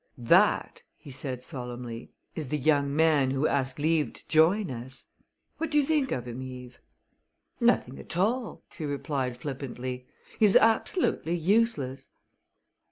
"This," he said solemnly, "is the young man who asked leave to join us! What do you think of him, Eve?" "Nothing at all!" she replied flippantly. "He is absolutely useless!"